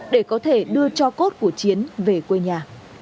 để có thể đưa cho cốt của chiến về quê nhà